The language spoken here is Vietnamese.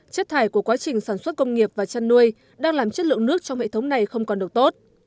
chất thải của quá trình sản xuất công nghiệp và chăn nuôi đang làm chất lượng nước trong hệ thống này không còn được tốt